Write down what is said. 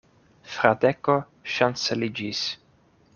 Fradeko ŝanceliĝis.